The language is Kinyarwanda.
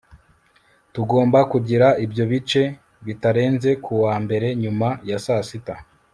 Tugomba kugira ibyo bice bitarenze kuwa mbere nyuma ya saa sita